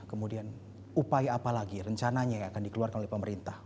kemudian upaya apalagi rencananya yang akan dikeluarkan oleh pemerintah